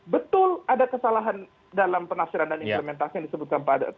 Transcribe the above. betul ada kesalahan dalam penafsiran dan implementasi yang disebutkan padat